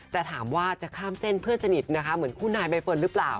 แต่ถามว่าจะข้ามเส้นเพื่อนสนิทนะคะเหมือนคู่นายใบเฟิร์นหรือเปล่า